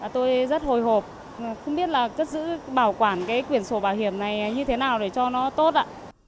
tôi rất hồi hộp không biết là cất giữ bảo quản cái quyển sổ bảo hiểm này như thế nào để cho nó tốt ạ